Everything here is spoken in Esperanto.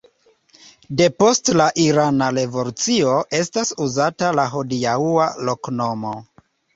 Depost la irana revolucio estas uzata la hodiaŭa loknomo.